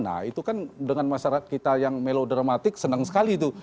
nah itu kan dengan masyarakat kita yang melodramatik senang sekali itu